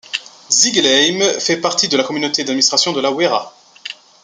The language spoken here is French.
Ziegelheim fait partie de la Communauté d'administration de la Wiera.